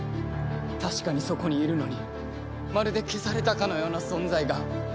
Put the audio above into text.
確かにそこにいるのにまるで消されたかのような存在が。